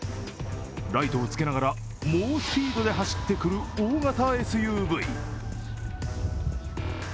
ライトをつけながら猛スピードで走ってくる大型ＳＵＶ。